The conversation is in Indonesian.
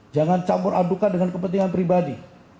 jangan campur adukan dengan kepentingan pribadi